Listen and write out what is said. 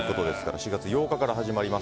４月８日から始まります